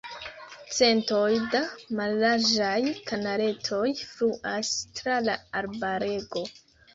Centoj da mallarĝaj kanaletoj fluas tra la arbarego.